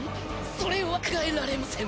それは考えられません。